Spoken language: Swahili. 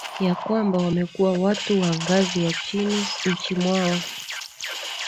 ya kwamba wamekuwa watu wa ngazi ya chini nchi mwao